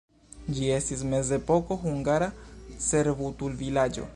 Ĝi estis mezepoko hungara servutulvilaĝo.